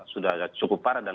sudah cukup parah dan